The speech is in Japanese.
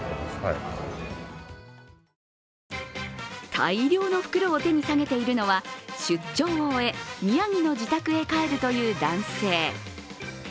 大量の袋を手に提げているのは、出張を終え、宮城の自宅へ帰るという男性。